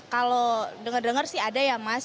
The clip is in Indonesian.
kalau dengar dengar sih ada ya mas